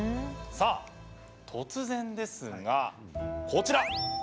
さあ突然ですが、こちら。